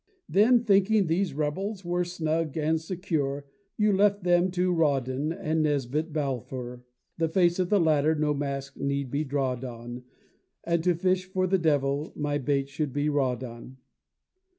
Then, thinking these rebels were snug and secure, You left them to Rawdon and Nesbit Balfour (The face of the latter no mask need be draw'd on, And to fish for the devil, my bait should be Rawdon).